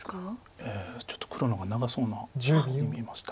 ちょっと黒の方が長そうなふうに見えました。